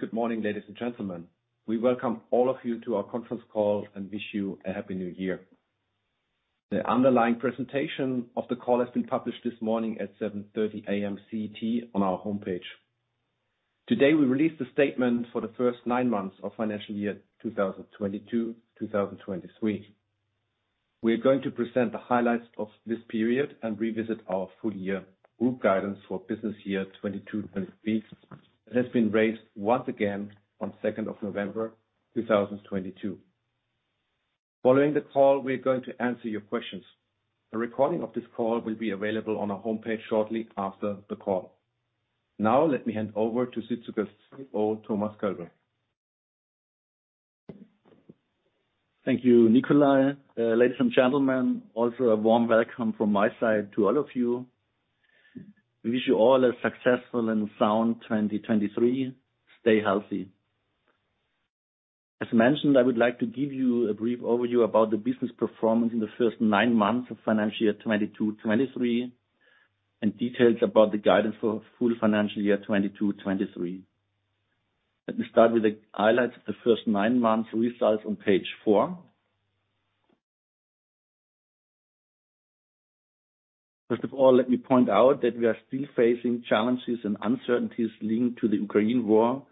Good morning, ladies and gentlemen. We welcome all of you to our conference call and wish you a happy New Year. The underlying presentation of the call has been published this morning at 7:30 A.M. CT on our homepage. Today, we released a statement for the first nine months of financial year 2022, 2023. We are going to present the highlights of this period and revisit our full year group guidance for business year 2022 and 2023 that has been raised once again on 2nd of November 2022. Following the call, we're going to answer your questions. A recording of this call will be available on our homepage shortly after the call. Now let me hand over to Südzucker CEO, Niels Pörksen. Thank you, Nikolai. Ladies and gentlemen, also a warm welcome from my side to all of you. We wish you all a successful and sound 2023. Stay healthy. As mentioned, I would like to give you a brief overview about the business performance in the first nine months of financial year 2022, 2023, and details about the guidance for full financial year 2022, 2023. Let me start with the highlights of the first nine months results on page four. First of all, let me point out that we are still facing challenges and uncertainties linked to the Ukraine war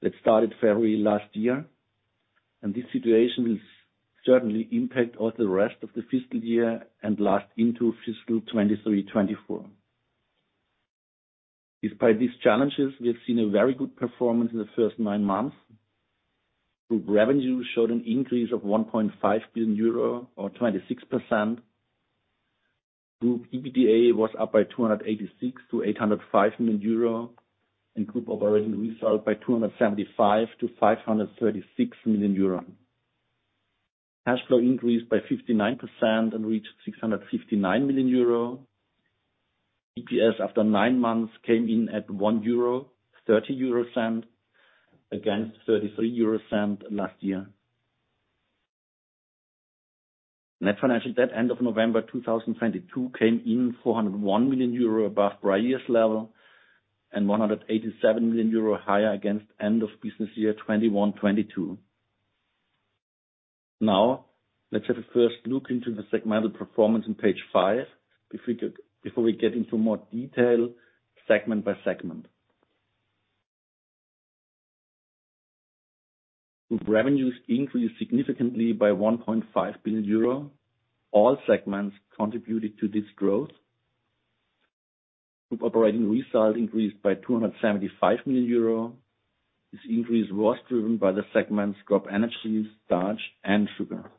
that started February last year. This situation will certainly impact all the rest of the fiscal year and last into fiscal 2023, 2024. Despite these challenges, we have seen a very good performance in the first nine months. Group revenue showed an increase of 1.5 billion euro or 26%. Group EBITDA was up by 286 million to 805 million euro and group operating result by 275 million to 536 million euro. Cash flow increased by 59% and reached 659 million euro. EPS after nine months came in at 1.30 euro against 0.33 last year. Net financial debt end of November 2022 came in 401 million euro above prior year's level and 187 million euro higher against end of business year 2021, 2022. Now, let's have a first look into the segmental performance on page 5, before we get into more detail segment by segment. Group revenues increased significantly by 1.5 billion euro. All segments contributed to this growth. Group operating result increased by 275 million euro. This increase was driven by the segments CropEnergies, Starch, and Sugar.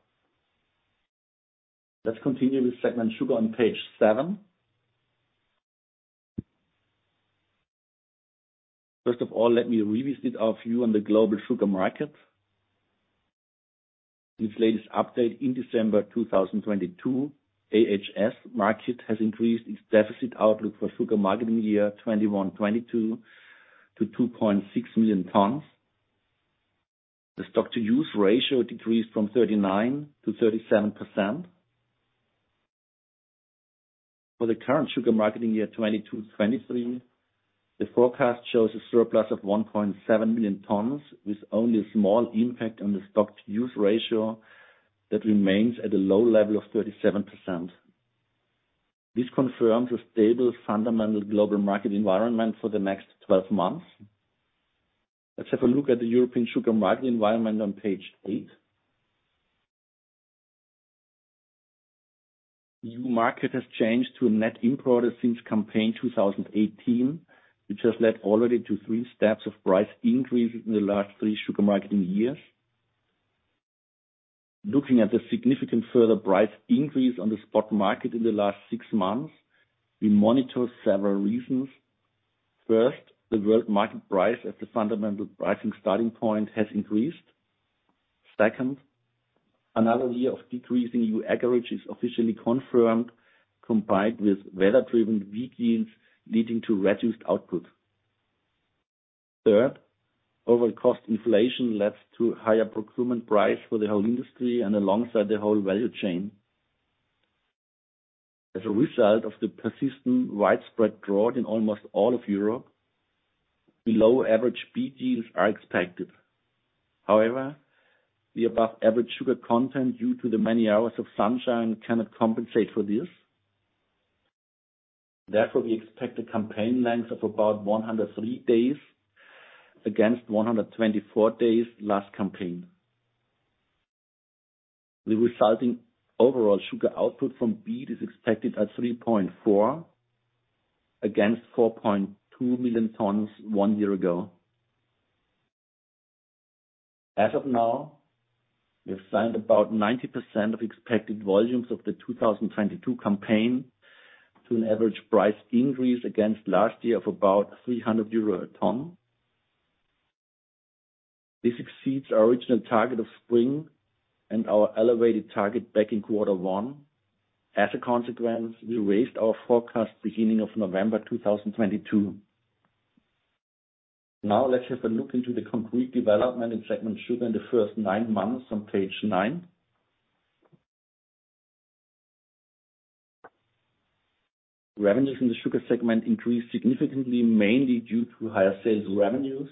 Let's continue with segment Sugar on page seven. Let me revisit our view on the global sugar market. This latest update in December 2022, IHS Markit has increased its deficit outlook for sugar marketing year 2021, 2022 to 2.6 million tons. The stock-to-use ratio decreased from 39% to 37%. For the current sugar marketing year, 2022, 2023, the forecast shows a surplus of 1.7 million tons, with only a small impact on the stock-to-use ratio that remains at a low level of 37%. This confirms a stable fundamental global market environment for the next 12 months. Let's have a look at the European sugar market environment on page eight. EU market has changed to a net importer since campaign 2018, which has led already to three steps of price increase in the last three sugar marketing years. Looking at the significant further price increase on the stock market in the last six months, we monitor several reasons. First, the world market price as the fundamental pricing starting point has increased. Second, another year of decreasing EU acreage is officially confirmed, combined with weather-driven weaknesses leading to reduced output. Third, overall cost inflation led to higher procurement price for the whole industry and alongside the whole value chain. As a result of the persistent widespread drought in almost all of Europe, below average beet yields are expected. However, the above average sugar content due to the many hours of sunshine cannot compensate for this. Therefore, we expect a campaign length of about 103 days against 124 days last campaign. The resulting overall sugar output from beet is expected at 3.4 against 4.2 million tons one year ago. As of now, we have signed about 90% of expected volumes of the 2022 campaign to an average price increase against last year of about 300 euro a ton. This exceeds our original target of spring and our elevated target back in Q1. As a consequence, we raised our forecast beginning of November 2022. Now let's have a look into the concrete development in segment Sugar in the first nine months on page nine. Revenues in the Sugar segment increased significantly mainly due to higher sales revenues.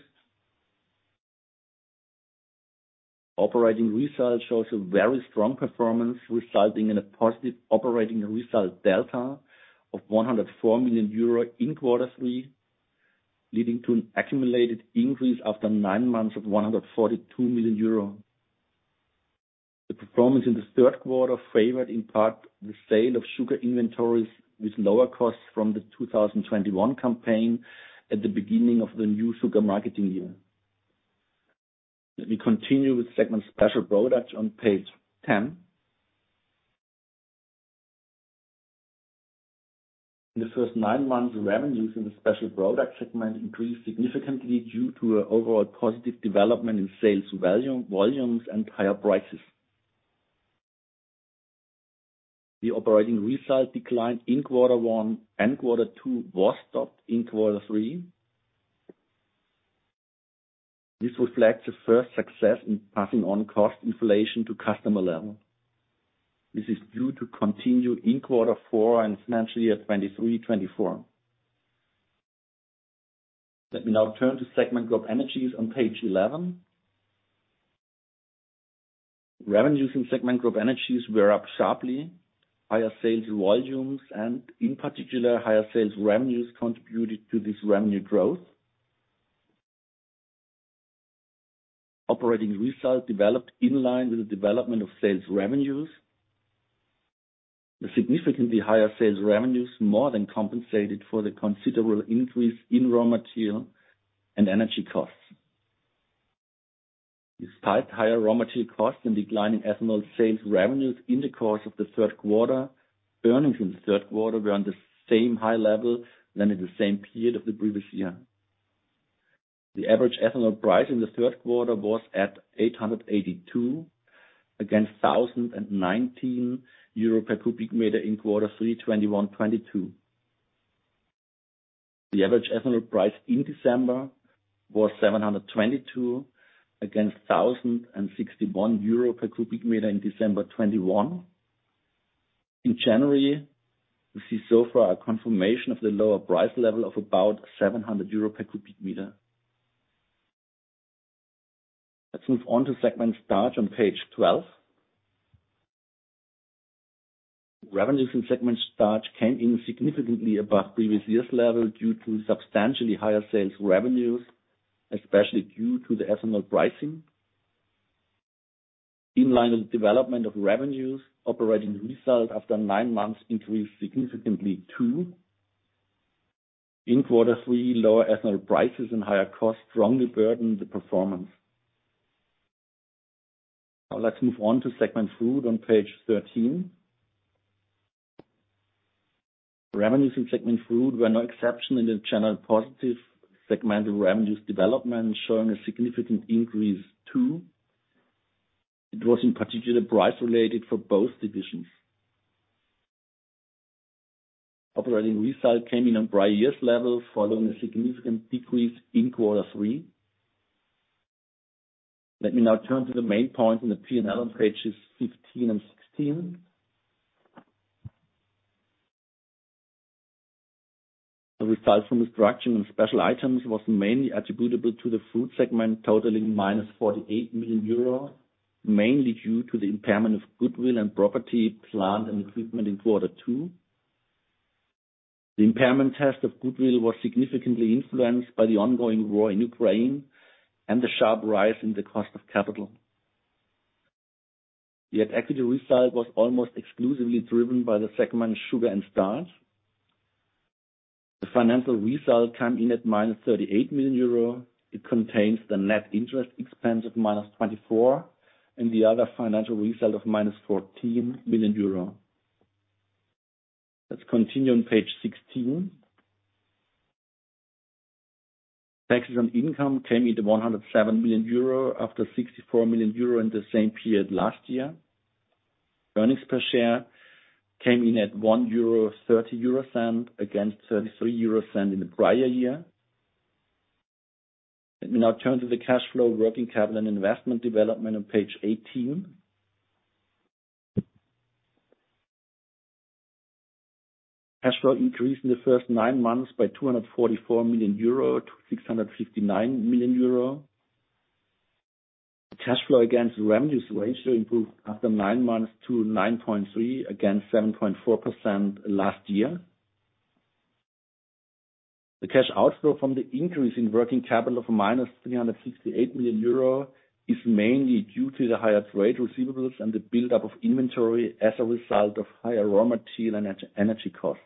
Operating results show a very strong performance, resulting in a positive operating result delta of 104 million euro in quarter three, leading to an accumulated increase after nine months of 142 million euro. The performance in the third quarter favored in part the sale of sugar inventories with lower costs from the 2021 campaign at the beginning of the new sugar marketing year. Let me continue with segment Special Products on page 10. In the first nine months, revenues in the Special Products segment increased significantly due to an overall positive development in sales volumes and higher prices. The operating result decline in quarter one and quarter two was stopped in quarter three. This reflects the first success in passing on cost inflation to customer level. This is due to continue in quarter four and financially at 2023/2024. Let me now turn to segment CropEnergies on page 11. Revenues in segment CropEnergies were up sharply. Higher sales volumes and in particular higher sales revenues contributed to this revenue growth. Operating results developed in line with the development of sales revenues. The significantly higher sales revenues more than compensated for the considerable increase in raw material and energy costs. Despite higher raw material costs and decline in ethanol sales revenues in the course of the third quarter, earnings in the third quarter were on the same high level than in the same period of the previous year. The average ethanol price in the third quarter was at 882 against 1,019 euro per cubic meter in quarter 3, 2021/2022. The average ethanol price in December was 722 against 1,061 euro per cubic meter in December 2021. In January, we see so far a confirmation of the lower price level of about 700 euro per cubic meter. Let's move on to segment Starch on page 12. Revenues in segment Starch came in significantly above previous year's level due to substantially higher sales revenues, especially due to the ethanol pricing. In line with development of revenues, operating results after nine months increased significantly too. In quarter three, lower ethanol prices and higher costs strongly burdened the performance. Let's move on to segment Food on page 13. Revenues in segment Food were no exception in the general positive segment revenues development, showing a significant increase too. It was in particular price related for both divisions. Operating results came in on prior year's level following a significant decrease in quarter three. Let me now turn to the main point in the P&L on pages 15 and 16. The results from the structuring and special items was mainly attributable to the Food segment totaling minus 48 million euro, mainly due to the impairment of goodwill and property, plant and equipment in quarter two. The impairment test of goodwill was significantly influenced by the ongoing Ukraine war and the sharp rise in the cost of capital. The equity result was almost exclusively driven by the segment Sugar and Starch. The financial result came in at minus 38 million euro. It contains the net interest expense of minus 24 million and the other financial result of minus 14 million euro. Let's continue on page 16. Taxes on income came in at 107 million euro, after 64 million euro in the same period last year. Earnings per share came in at 1.30 euro against 0.33 in the prior year. Let me now turn to the cash flow, working capital and investment development on page 18. Cash flow increased in the first nine months by 244 million euro to 659 million euro. Cash flow against revenues ratio improved after nine months to 9.3% against 7.4% last year. The cash outflow from the increase in working capital of -368 million euro is mainly due to the higher trade receivables and the buildup of inventory as a result of higher raw material and energy costs.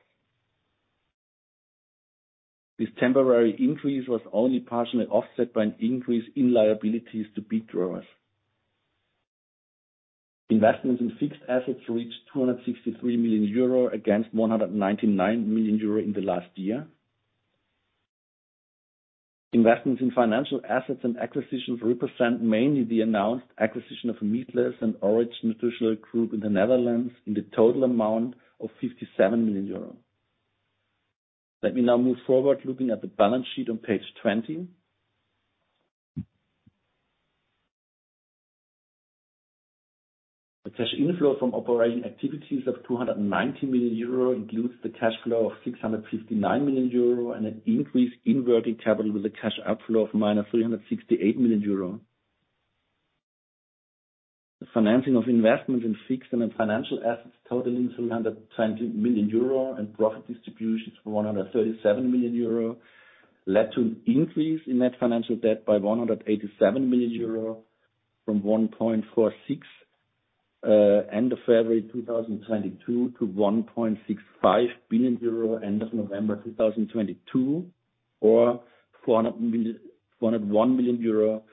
This temporary increase was only partially offset by an increase in liabilities to beet growers. Investments in fixed assets reached 263 million euro against 199 million euro in the last year. Investments in financial assets and acquisitions represent mainly the announced acquisition of Meatless and Orange Nutritionals Group in the Netherlands in the total amount of 57 million euros. Let me now move forward looking at the balance sheet on page 20. Cash inflow from operating activities of 290 million euro includes the cash flow of 659 million euro and an increase in working capital with a cash outflow of minus 368 million euro. The financing of investment in fixed and in financial assets totaling 320 million euro and profit distributions for 137 million euro led to an increase in net financial debt by 187 million euro from 1.46 billion end of February 2022 to 1.65 billion euro end of November 2022, or 401 million euro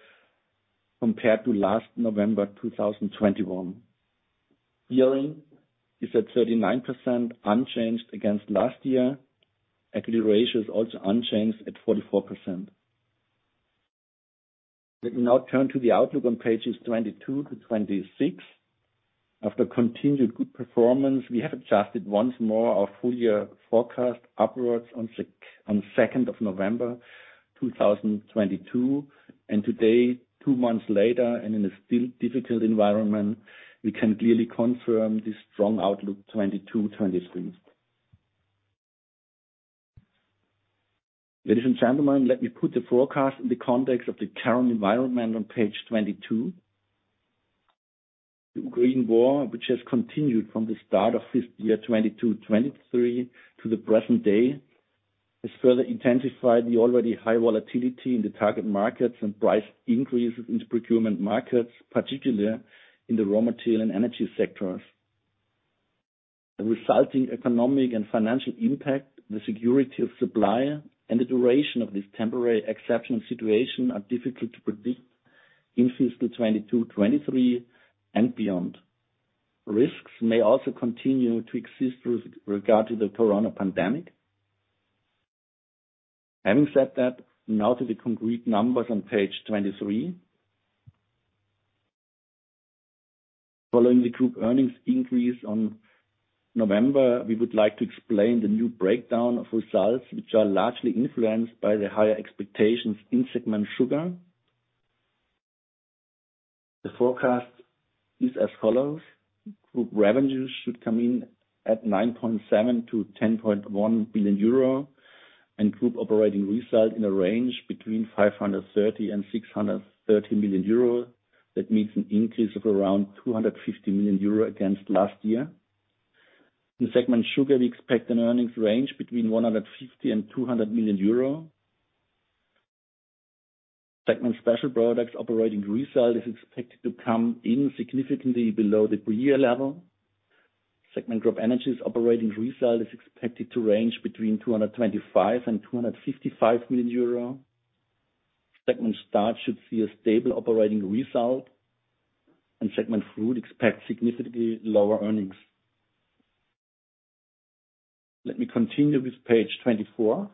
compared to last November 2021. Yielding is at 39% unchanged against last year. Equity ratio is also unchanged at 44%. Let me now turn to the outlook on pages 22 to 26. After continued good performance, we have adjusted once more our full year forecast upwards on 2nd of November 2022. Today, two months later and in a still difficult environment, we can clearly confirm this strong outlook 2022, 2023. Ladies and gentlemen, let me put the forecast in the context of the current environment on page 22. The Ukraine war, which has continued from the start of fiscal year 2022, 2023 to the present day, has further intensified the already high volatility in the target markets and price increases in the procurement markets, particularly in the raw material and energy sectors. The resulting economic and financial impact, the security of supply, and the duration of this temporary exceptional situation are difficult to predict in fiscal 2022, 2023 and beyond. Risks may also continue to exist with regard to the corona pandemic. Having said that, now to the concrete numbers on page 23. Following the group earnings increase on November, we would like to explain the new breakdown of results, which are largely influenced by the higher expectations in Segment Sugar. The forecast is as follows: Group revenues should come in at 9.7 billion-10.1 billion euro and group operating result in a range between 530 million-630 million euro. That means an increase of around 250 million euro against last year. In Segment Sugar, we expect an earnings range between 150 million-200 million euro. Segment Special Products operating result is expected to come in significantly below the per year level. Segment CropEnergies operating result is expected to range between 225 million-255 million euro. Segment Starch should see a stable operating result. Segment Food expects significantly lower earnings. Let me continue with page 24.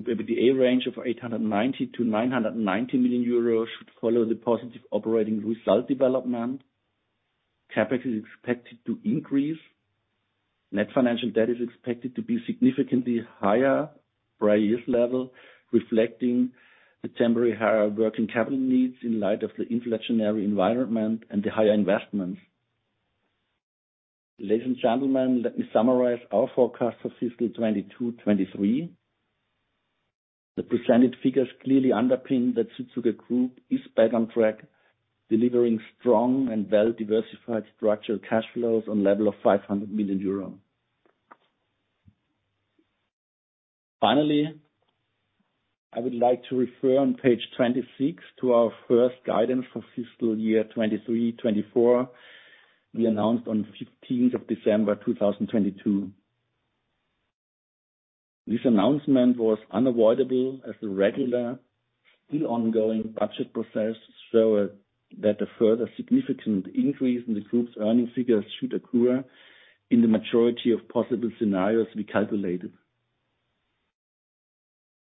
EBITDA range of 890 million-990 million euros should follow the positive operating result development. Capital is expected to increase. Net financial debt is expected to be significantly higher prior year's level, reflecting the temporary higher working capital needs in light of the inflationary environment and the higher investments. Ladies and gentlemen, let me summarize our forecast for fiscal 2022, 2023. The presented figures clearly underpin that Südzucker Group is back on track, delivering strong and well-diversified structural cash flows on level of 500 million euro. I would like to refer on page 26 to our first guidance for fiscal year 2023, 2024 we announced on 15th of December 2022. This announcement was unavoidable as the regular still ongoing budget process showed that a further significant increase in the group's earnings figures should occur in the majority of possible scenarios we calculated.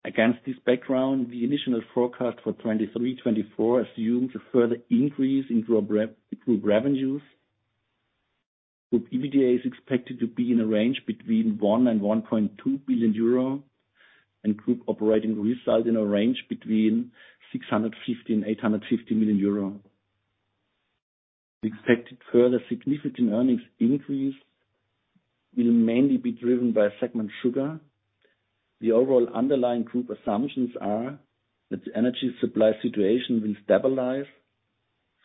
Against this background, the initial forecast for 2023, 2024 assumes a further increase in group revenues. Group EBITDA is expected to be in a range between 1 billion and 1.2 billion euro and group operating result in a range between 650 million and 850 million euro. The expected further significant earnings increase will mainly be driven by segment sugar. The overall underlying group assumptions are that the energy supply situation will stabilize.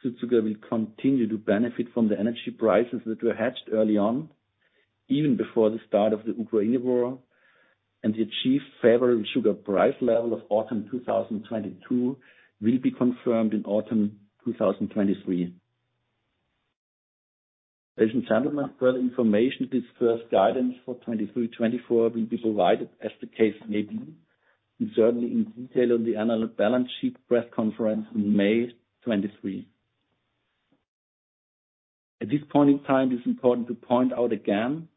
Südzucker will continue to benefit from the energy prices that were hatched early on, even before the start of the Ukraine war, and the achieved favorable sugar price level of autumn 2022 will be confirmed in autumn 2023. Ladies and gentlemen, further information with first guidance for 2023, 2024 will be provided as the case may be, and certainly in detail on the annual balance sheet press conference in May 2023. At this point in time, it is important to point out again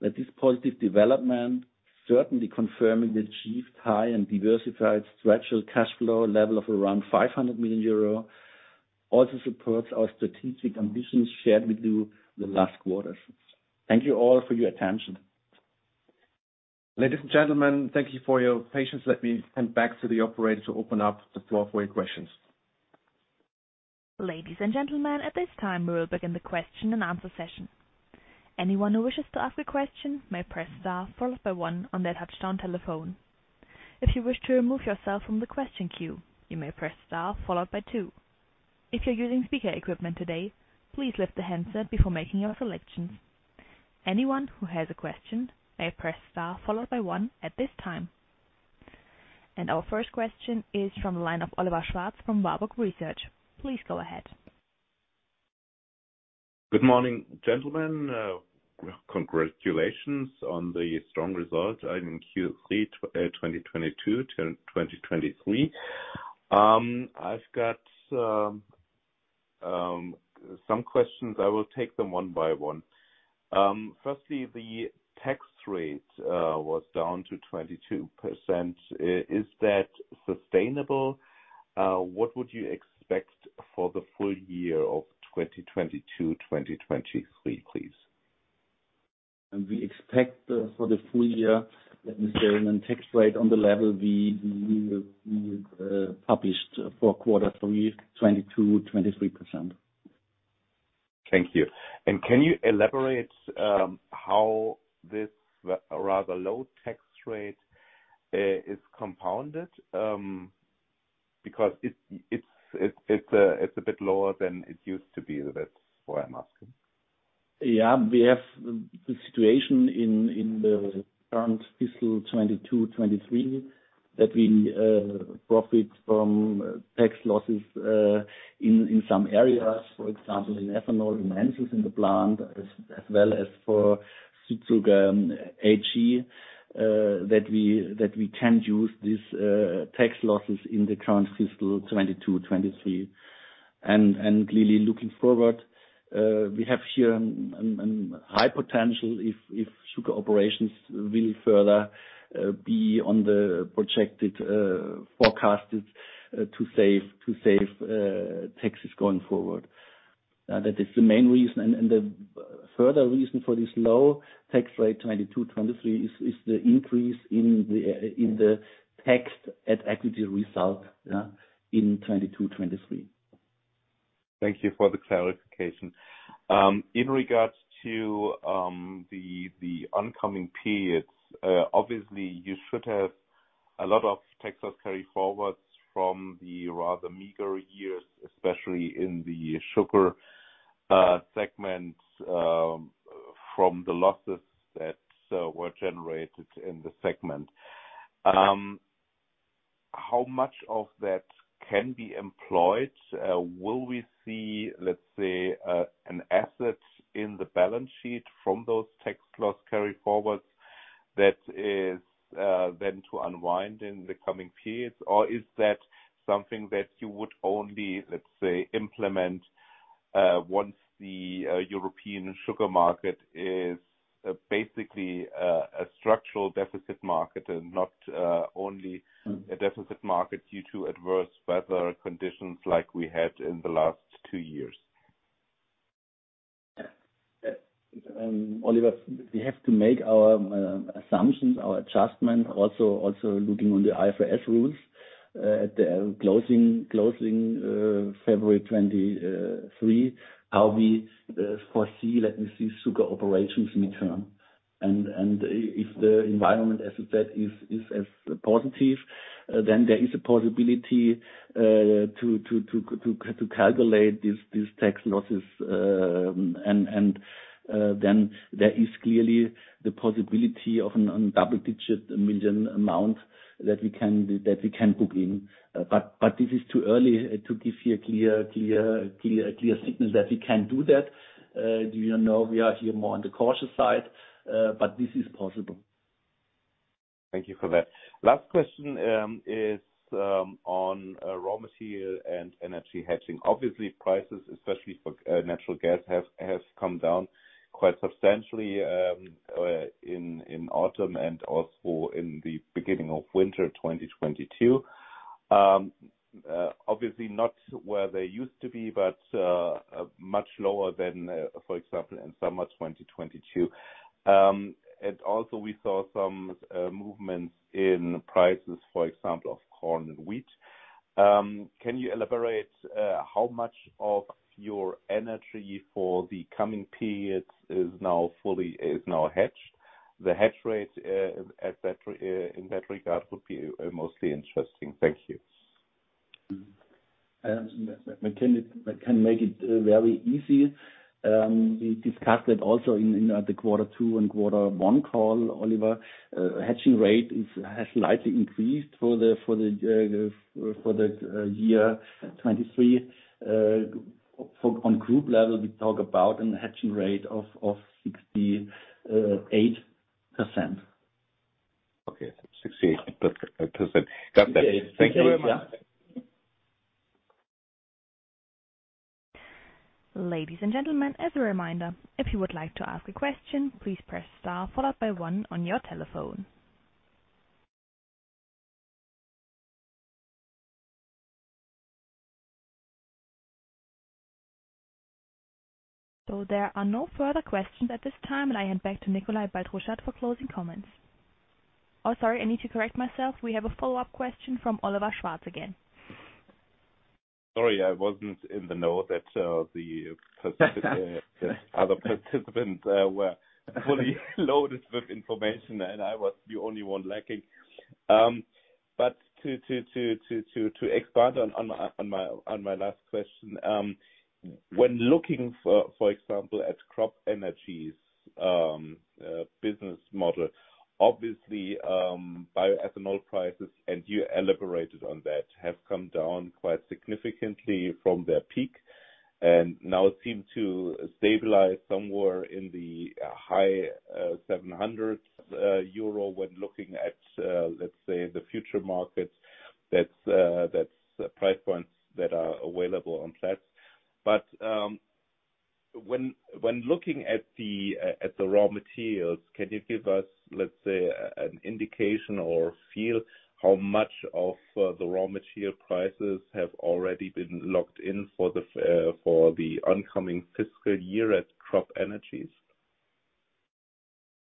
that this positive development, certainly confirming the achieved high and diversified structural cash flow level of around 500 million euro, also supports our strategic ambitions shared with you the last quarters. Thank you all for your attention. Ladies and gentlemen, thank you for your patience. Let me hand back to the operator to open up the floor for your questions. Ladies and gentlemen, at this time we will begin the question and answer session. Anyone who wishes to ask a question may press star followed by one on their touchtone telephone. If you wish to remove yourself from the question queue, you may press star followed by two. If you're using speaker equipment today, please lift the handset before making your selections. Anyone who has a question may press star followed by one at this time. Our first question is from the line of Oliver Schwarz from Warburg Research. Please go ahead. Good morning, gentlemen. Congratulations on the strong results in Q3 2022-2023. I've got some questions. I will take them one by one. Firstly, the tax rate was down to 22%. Is that sustainable? What would you expect for the full year of 2022, 2023, please? We expect for the full year, let me say, and then tax rate on the level we published for quarter three, 22%-23%. Thank you. Can you elaborate, how this rather low tax rate, is compounded? Because it's a bit lower than it used to be. That's why I'm asking. Yeah. We have the situation in the current fiscal 2022, 2023 that we profit from tax losses in some areas, for example, in ethanol, in Zeitz plant as well as for Südzucker AG that we can use this tax losses in the current fiscal 2022, 2023. Clearly looking forward, we have here high potential if sugar operations will further be on the projected, forecasted, to save taxes going forward. That is the main reason and the further reason for this low tax rate, 2022, 2023 is the increase in the tax at equity result in 2022, 2023. Thank you for the clarification. In regards to the oncoming periods, obviously you should have a lot of taxes carryforwards from the rather meager years, especially in the sugar segments, from the losses that were generated in the segment. How much of that can be employed? Will we see, let's say, an asset in the balance sheet from those tax loss carryforwards that is then to unwind in the coming periods? Is that something that you would only, let's say, implement once the European sugar market is basically a structural deficit market and not only a deficit market due to adverse weather conditions like we had in the last two years? Oliver Schwarz, we have to make our assumptions, our adjustment, also looking on the IFRS rules at the closing February 23, how we foresee sugar operations midterm. If the environment, as you said, is as positive, then there is a possibility to calculate these tax losses, there is clearly the possibility of a EUR double-digit million amount that we can book in. This is too early to give you a clear signal that we can do that. You know, we are here more on the cautious side, this is possible. Thank you for that. Last question, is on raw material and energy hedging. Obviously, prices, especially for natural gas, has come down quite substantially in autumn and also in the beginning of winter 2022. Obviously not where they used to be, but much lower than, for example, in summer 2022. Also we saw some movements in prices, for example, of corn and wheat. Can you elaborate how much of your energy for the coming periods is now fully hedged? The hedge rates in that regard would be mostly interesting. Thank you. I can make it very easy. We discussed that also in the quarter two and quarter one call, Oliver. Hedging rate has slightly increased for the year 2023. On group level, we talk about an hedging rate of 68%. Okay. 68%. Got that. Thank you very much. Ladies and gentlemen, as a reminder, if you would like to ask a question, please press star followed by one on your telephone. There are no further questions at this time, and I hand back to Nikolai Baltruschat for closing comments. Oh, sorry, I need to correct myself. We have a follow-up question from Oliver Schwarz again. Sorry, I wasn't in the know that the other participants were fully loaded with information, and I was the only one lacking. To expand on my last question. When looking for example, at CropEnergies' business model, obviously, bioethanol prices, and you elaborated on that, have come down quite significantly from their peak and now seem to stabilize somewhere in the high 700 euro when looking at let's say, the future markets. That's price points that are available on Platts. When looking at the raw materials, can you give us, let's say, an indication or feel how much of the raw material prices have already been locked in for the oncoming fiscal year at CropEnergies?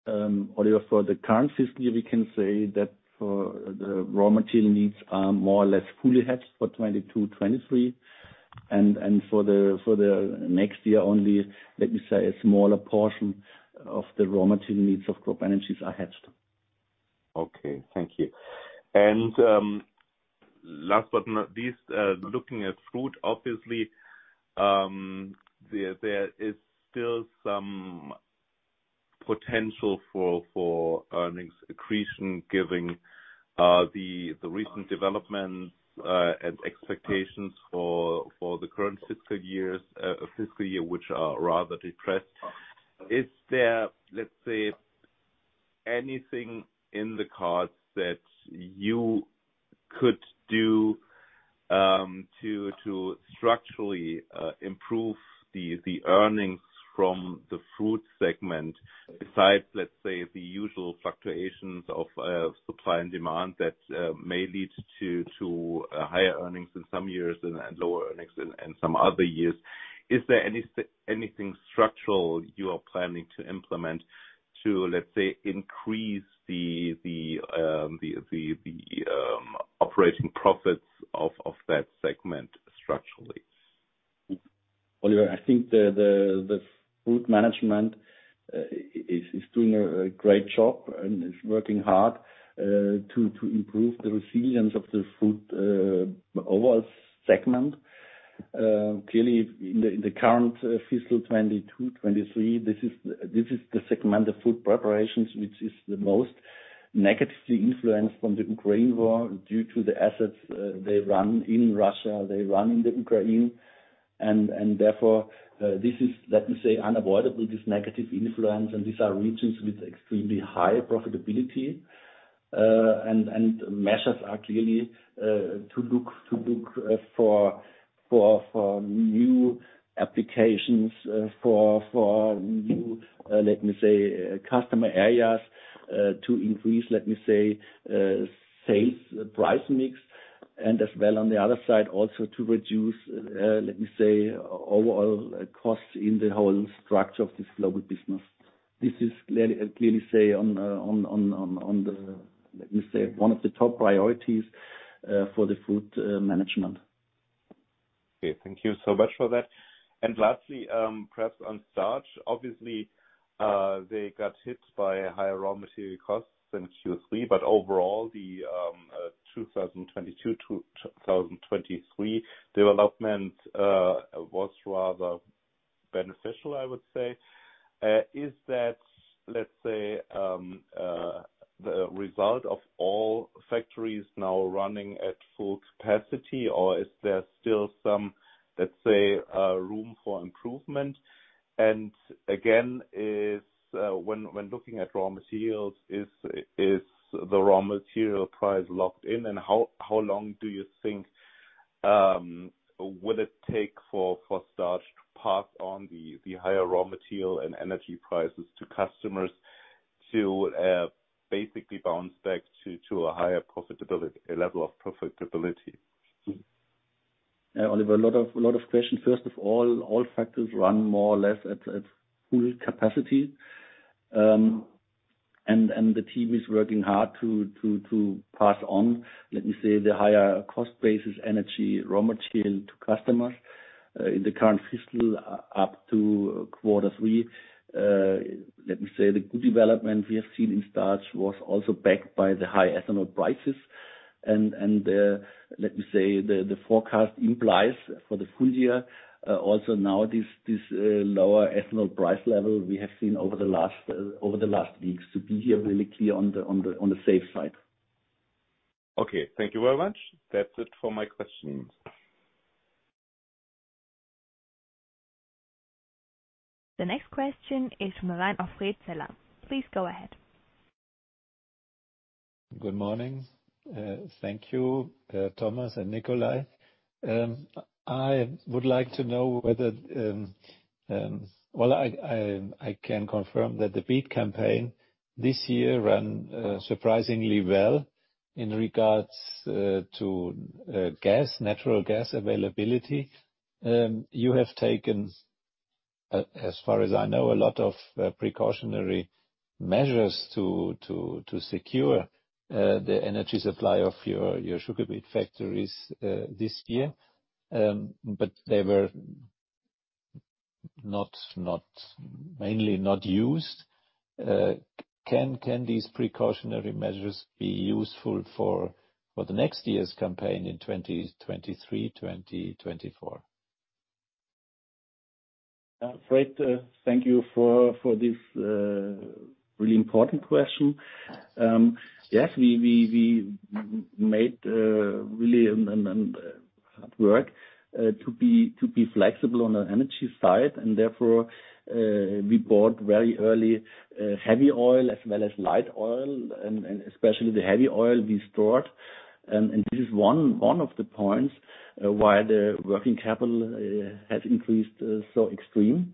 Oliver, for the current fiscal year, we can say that for the raw material needs are more or less fully hedged for 2022, 2023, and for the next year only, let me say, a smaller portion of the raw material needs of CropEnergies are hedged. Okay. Thank you. Last but not least, looking at fruit, obviously, there is still some potential for earnings accretion giving the recent developments and expectations for the current fiscal year, which are rather depressed. Is there, let's say, anything in the cards that you could do to structurally improve the earnings from the fruit segment besides, let's say, the usual fluctuations of supply and demand that may lead to higher earnings in some years and lower earnings in some other years? Is there anything structural you are planning to implement to, let's say, increase the operating profits of that segment structurally? Oliver, I think the fruit management is doing a great job and is working hard to improve the resilience of the fruit overall segment. Clearly in the current fiscal 2022-2023, this is the segment of food preparations, which is the most negatively influenced from the Ukraine war due to the assets they run in Russia, they run in the Ukraine. Therefore, this is, let me say, unavoidable, this negative influence, and these are regions with extremely high profitability. Measures are clearly to look for new applications, for new, let me say, customer areas, to increase, let me say, sales price mix, and as well on the other side, also to reduce, let me say, overall costs in the whole structure of this global business. This is clearly say on the, let me say, one of the top priorities for the food management. Okay. Thank you so much for that. Lastly, perhaps on starch. Obviously, they got hit by higher raw material costs in Q3, but overall the 2022 to 2023 development was rather beneficial, I would say. Is that, let's say, the result of all factories now running at full capacity, or is there still some, let's say, room for improvement? Again, is when looking at raw materials, is the raw material price locked in, and how long do you think will it take for starch to pass on the higher raw material and energy prices to customers to basically bounce back to a higher level of profitability? Oliver, a lot of questions. First of all factors run more or less at full capacity. The team is working hard to pass on, let me say, the higher cost basis energy, raw material to customers. In the current fiscal up to Q3, let me say the good development we have seen in starch was also backed by the high ethanol prices. The forecast implies for the full year, also now this lower ethanol price level we have seen over the last weeks to be here really clear on the safe side. Okay. Thank you very much. That's it for my questions. The next question is from the line of Fritz G. Eggert. Please go ahead. Good morning. Thank you, Thomas and Nikolai. Well, I can confirm that the beet campaign this year ran surprisingly well. In regards to natural gas availability, you have taken as far as I know, a lot of precautionary measures to secure the energy supply of your sugar beet factories this year. They were not mainly not used. Can these precautionary measures be useful for the next year's campaign in 2023, 2024? Fred, thank you for this really important question. Yes, we made really hard work to be flexible on the energy side and therefore, we bought very early heavy oil as well as light oil, and especially the heavy oil we stored. This is one of the points why the working capital has increased so extreme.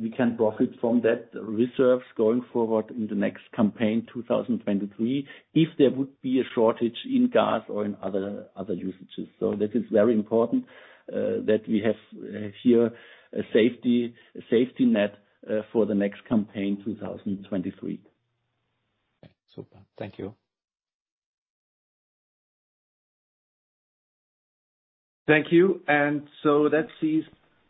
We can profit from that reserves going forward in the next campaign, 2023, if there would be a shortage in gas or in other usages. This is very important that we have here a safety net for the next campaign, 2023. Super. Thank you. Thank you.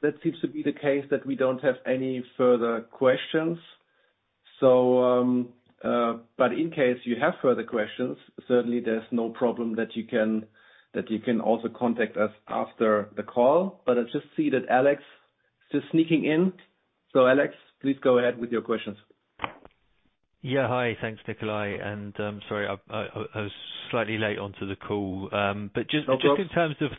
That seems to be the case that we don't have any further questions. In case you have further questions, certainly there's no problem that you can also contact us after the call. I just see that Alex is sneaking in. Alex, please go ahead with your questions. Yeah. Hi. Thanks, Nikolai. Sorry, I was slightly late onto the call. Just. No problem. Just in terms of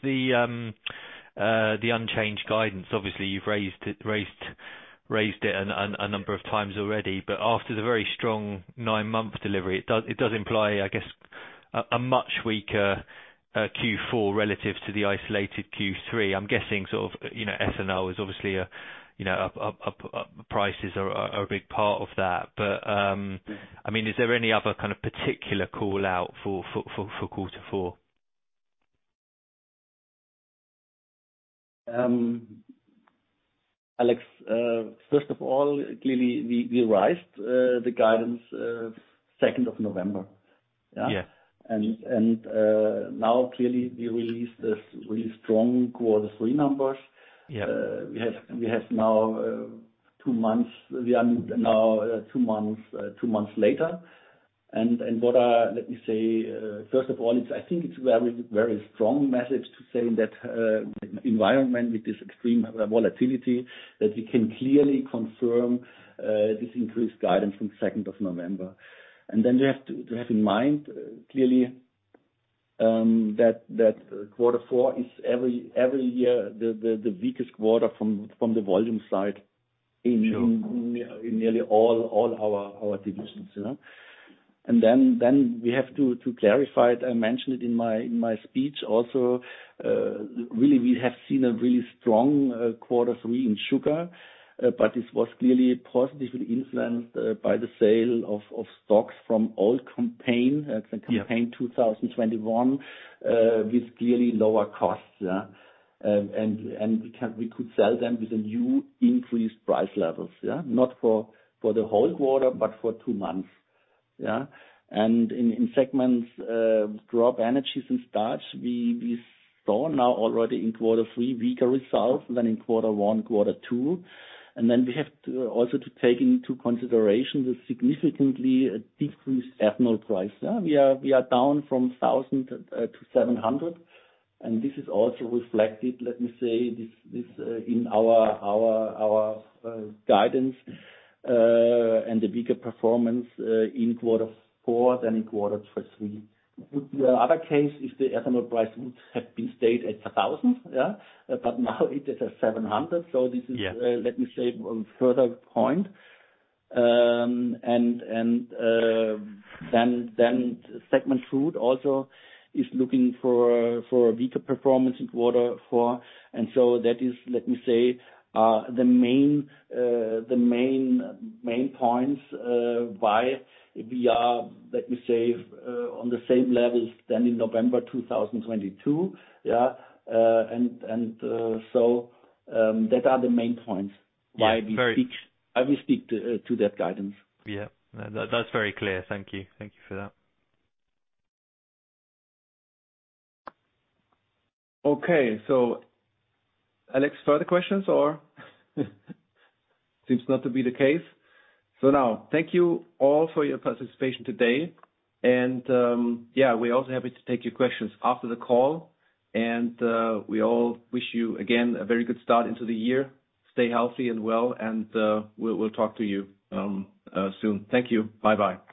the unchanged guidance, obviously you've raised it a number of times already. After the very strong nine-month delivery, it does imply, I guess, a much weaker Q4 relative to the isolated Q3. I'm guessing sort of, you know, ethanol is obviously a, you know, prices are a big part of that. I mean, is there any other kind of particular call-out for quarter four? Alex, first of all, clearly we raised the guidance, second of November. Yeah? Yeah. Now clearly we released this really strong quarter three numbers. Yeah. We have now two months, we are now two months later. Let me say, first of all, I think it's very, very strong message to say that, environment with this extreme volatility, that we can clearly confirm, this increased guidance from 2nd of November. You have to, you have in mind clearly, that quarter four is every year the weakest quarter from the volume side. Sure. In nearly all our divisions, you know. Then we have to clarify it. I mentioned it in my speech also. Really, we have seen a really strong quarter three in sugar. This was clearly positively influenced by the sale of stocks from old campaign. Yeah. The campaign 2021, with clearly lower costs. Yeah. We could sell them with a new increased price levels, yeah. Not for the whole quarter, but for two months. Yeah. In segments, CropEnergies and starch, we saw now already in Q3 weaker results than in Q1, Q2. Then we have to also to take into consideration the significantly decreased ethanol price. Yeah. We are down from 1,000-700, and this is also reflected, let me say this, in our guidance, and the weaker performance in Q4 than in Q3. The other case is the ethanol price would have been stayed at 1,000, yeah. Now it is at 700. Yeah. This is, let me say a further point. Then segment food also is looking for a weaker performance in quarter four. That is, let me say, the main points, why we are, let me say, on the same level than in November 2022. Yeah. That are the main points why we speak- Yeah. Why we speak to that guidance. Yeah. That's very clear. Thank you. Thank you for that. Okay. Alex, further questions or seems not to be the case. Now thank you all for your participation today and, yeah, we're also happy to take your questions after the call and, we all wish you again a very good start into the year. Stay healthy and well and, we'll talk to you soon. Thank you. Bye-bye.